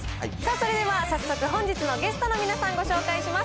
それでは早速、本日のゲストの皆さん、ご紹介します。